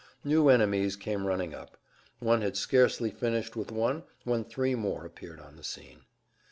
New enemies came running up. One had scarcely finished with one when three more appeared on the scene.